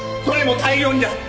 どれも大量にだ。